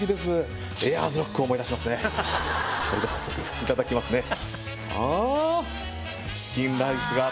それじゃ早速いただきますね。